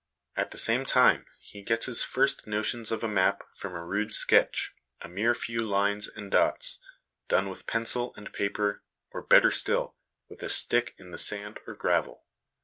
At the same time, he gets his first notions of a map from a rude sketch, a mere few lines and dots, done with pencil and paper, or, better still, with a stick in the sand or gravel.